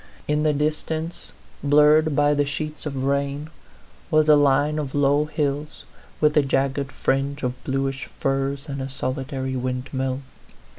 In the distance, blurred by the sheets of rain, was a line of low hills, with a jagged fringe of bluish firs and a solitary windmill.